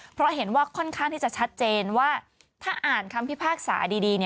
เพราะเห็นว่าค่อนข้างที่จะชัดเจนว่าถ้าอ่านคำพิพากษาดี